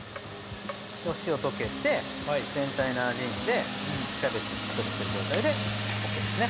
お塩溶けて全体なじんでキャベツしっとりしてる状態でオッケーですね。